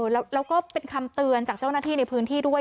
แล้วก็เป็นคำเตือนจากเจ้าหน้าที่ในพื้นที่ด้วย